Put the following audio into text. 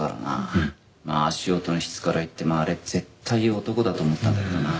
まあ足音の質から言ってもあれ絶対男だと思ったんだけどな。